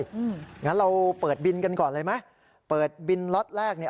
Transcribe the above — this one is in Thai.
งั้นเราเปิดบินกันก่อนเลยไหมเปิดบินล็อตแรกเนี่ย